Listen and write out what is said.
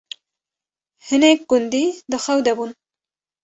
hinek gundî di xew de bûn